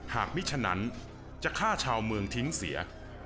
มิฉะนั้นจะฆ่าชาวเมืองทิ้งเสีย